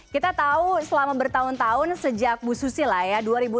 kita tahu selama bertahun tahun sejak bu susi lah ya